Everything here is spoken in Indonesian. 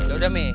udah udah mi